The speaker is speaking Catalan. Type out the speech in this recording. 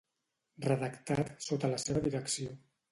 Redactat sota la seva direcció.